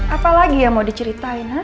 apa lagi yang mau diceritain hah